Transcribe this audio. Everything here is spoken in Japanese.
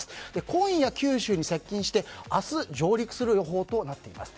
今夜、九州に接近して明日上陸する予報となっています。